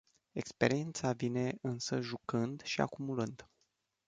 Experiența vine însă jucând și acumulând.